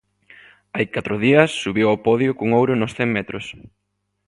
Hai catro días subiu ao podio cun ouro nos cen metros.